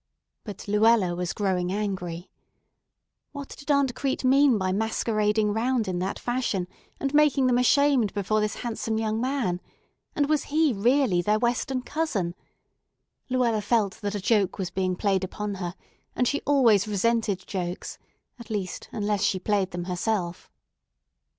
But Luella was growing angry. What did Aunt Crete mean by masquerading round in that fashion and making them ashamed before this handsome young man? and was he really their Western cousin? Luella felt that a joke was being played upon her, and she always resented jokes—at least, unless she played them herself.